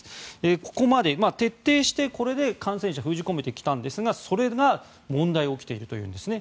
ここまで徹底してこれで感染者を封じ込めてきたんですがそれが問題が起きているというんですね。